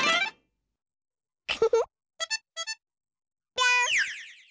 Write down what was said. ぴょん！